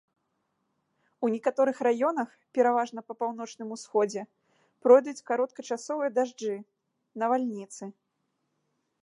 У некаторых раёнах, пераважна па паўночным усходзе, пройдуць кароткачасовыя дажджы, навальніцы.